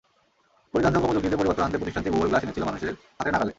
পরিধানযোগ্য প্রযুক্তিতে পরিবর্তন আনতে প্রতিষ্ঠানটি গুগল গ্লাস এনেছিল মানুষের হাতের নাগালে।